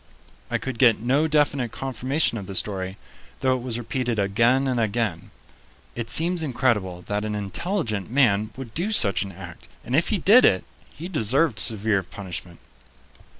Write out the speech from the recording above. I could get no definite confirmation of the story, though it was repeated again and again. It seems incredible that an intelligent man would do such an act, and if he did it, he deserved severe punishment.